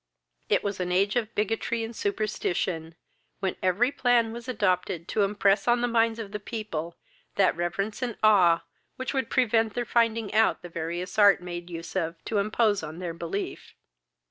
It was an age of bigotry and superstition, when every plan was adopted to impress on the minds of the people that reverence and awe which would prevent their finding out the various arts made use of to impose on their belief.